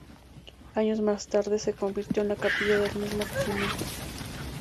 Años más tarde se convirtió en la capilla del mismo Regimiento.